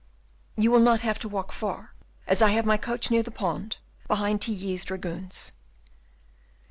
"You will not have to walk far, as I have my coach near the pond, behind Tilly's dragoons."